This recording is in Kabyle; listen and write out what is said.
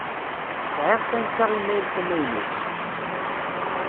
Sεiɣ tansa imayl tamaynut.